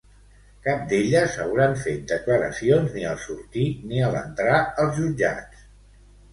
Cap d'elles hauran fet declaracions ni al sortir ni a l'entrar als jutjats.